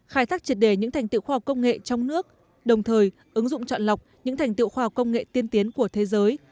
khai thác triệt đề những thành tiệu khoa học công nghệ trong nước đồng thời ứng dụng chọn lọc những thành tiệu khoa học công nghệ tiên tiến của thế giới